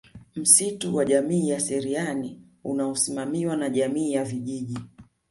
Msitu wa Jamii wa Sariani unaosimamiwa na jamii ya vijiji